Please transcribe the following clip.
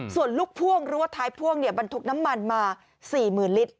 ส่วนลูกพ่วงหรือว่าท้ายพ่วงบรรทุกน้ำมันมา๔๐๐๐ลิตร